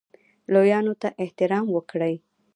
لویانو ته احترام وکړئ